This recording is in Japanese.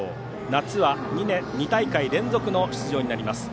夏は２大会連続の出場になります。